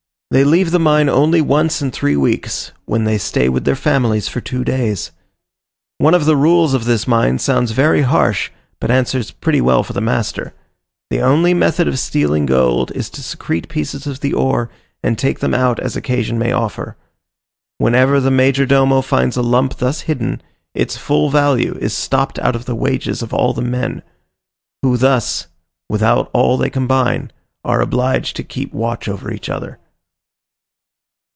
They leave the mine only once in three weeks; when they stay with their families for two days. One of the rules of this mine sounds very harsh, but answers pretty well for the master. The only method of stealing gold is to secrete pieces of the ore, and take them out as occasion may offer. Whenever the major domo finds a lump thus hidden, its full value is stopped out of the wages of all the men; who thus, without they all combine, are obliged to keep watch over each other.